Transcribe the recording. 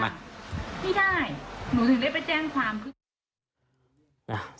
นี่ใช่หนูถึงได้ไปแจ้งความ